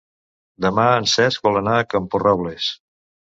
Demà en Cesc vol anar a Camporrobles.